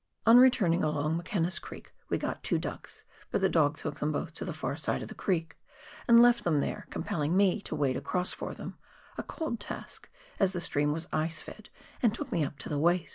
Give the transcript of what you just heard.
On returning along McKenna's creek we got two ducks, but the dog took them both to the far side of the creek and left them there, compelling me to wade across for them — a cold task, as the stream was ice fed, and took me up to the waist.